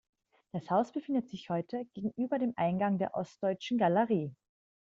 Das Haus befindet sich heute gegenüber dem Eingang der Ostdeutschen Galerie.